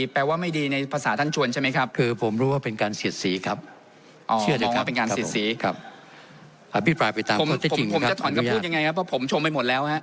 ผมจะถอนคำพูดยังไงครับเพราะผมชมไปหมดแล้วฮะ